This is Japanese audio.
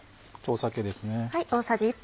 酒ですね。